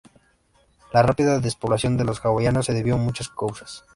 La rápida despoblación de los hawaianos se debió a muchas causas.